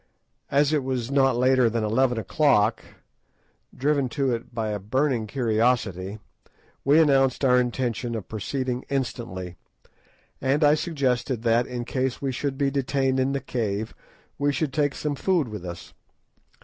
As it was not later than eleven o'clock—driven to it by a burning curiosity—we announced our intention of proceeding instantly, and I suggested that, in case we should be detained in the cave, we should take some food with us.